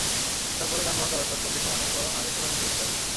তার পরও যানবাহন চলাচল করছে সমানে, বরং আগের তুলনায় বেড়েছে কয়েক গুণ।